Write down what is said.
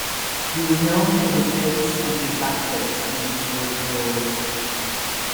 He was known for his pace and his back-flips when he scored goals.